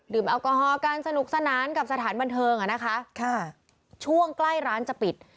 แอลกอฮอลกันสนุกสนานกับสถานบันเทิงอ่ะนะคะค่ะช่วงใกล้ร้านจะปิด